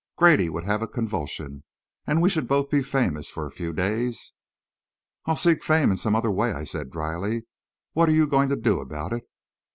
Grady would have a convulsion and we should both be famous for a few days." "I'll seek fame in some other way," I said drily. "What are you going to do about it?"